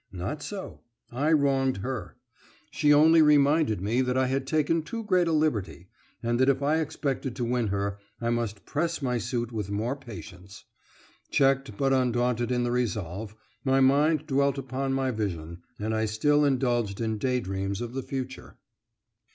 Not so. I wronged her. She only reminded me that I had taken too great a liberty, and that if I expected to win her I must press my suit with more patience. Checked, but undaunted in the resolve, my mind dwelt upon my vision, and I still indulged in day dreams of the future.